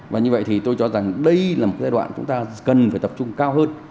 và như vậy thì tôi cho rằng đây là một giai đoạn chúng ta cần phải tập trung cao hơn